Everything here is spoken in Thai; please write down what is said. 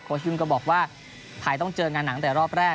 โค้ชยุ่นก็บอกว่าถ่ายต้องเจอกับงานหลังแต่รอบแรก